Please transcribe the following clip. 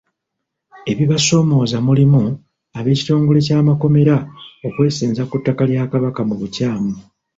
Ebibasoomooza mulimu ab'ekitongole ky'amakomera okwesenza ku tttaka lya Kabaka mu bukyamu.